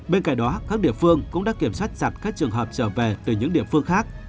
bên cạnh đó các địa phương cũng đã kiểm soát chặt các trường hợp trở về từ những địa phương khác